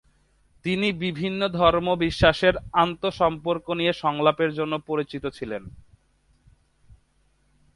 তিনি বিভিন্ন ধর্ম বিশ্বাসের আন্তঃসম্পর্ক নিয়ে সংলাপের জন্য পরিচিত ছিলেন।